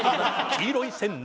「黄色い線の」